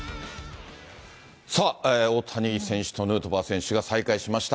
さあ、大谷選手とヌートバー選手が再会しました。